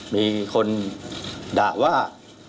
มีคนด่าว่า